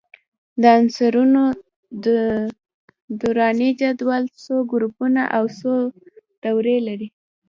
د عنصرونو دوراني جدول څو ګروپونه او څو دورې لري؟